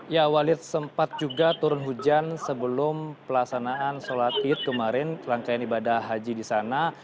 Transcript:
ya walid sempat juga turun hujan sebelum pelaksanaan sholat id kemarin rangkaian ibadah haji di sana